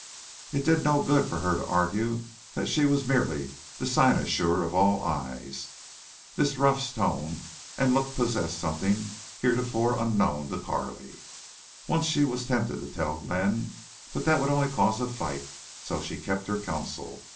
It did no good for her to argue that she was merely the cynosure of all eyes. This Ruff's tone and look possessed something heretofore unknown to Carley. Once she was tempted to tell Glenn. But that would only cause a fight, so she kept her counsel.